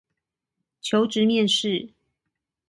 求職面試